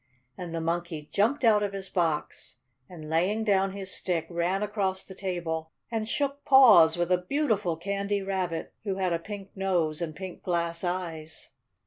and the Monkey jumped out of his box, and, laying down his stick, ran across the table and shook paws with a beautiful Candy Rabbit, who had a pink nose and pink glass eyes.